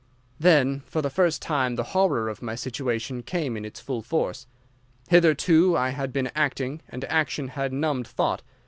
"Then for the first time the horror of my situation came in its full force. Hitherto I had been acting, and action had numbed thought.